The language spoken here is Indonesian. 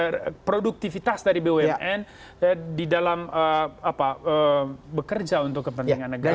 bagaimana produktivitas dari bumn di dalam bekerja untuk kepentingan negara